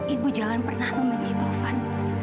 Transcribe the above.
ibu jangan pernah membenci tovan